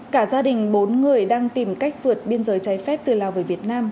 cả gia đình bốn người đang tìm cách vượt biên giới trái phép từ lào về việt nam